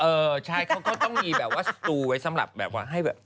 เออใช่เขาก็ต้องมีแบบว่าสตูไว้สำหรับแบบว่าให้แบบ